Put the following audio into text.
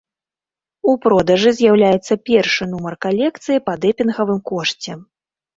У продажы з'яўляецца першы нумар калекцыі па дэмпінгавым кошце.